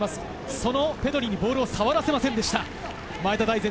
そのペドリにボールを触らせませんでした前田大然。